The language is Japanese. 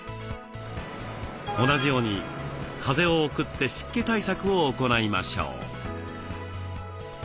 同じように風を送って湿気対策を行いましょう。